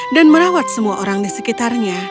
dan merawat semua orang di sekitarnya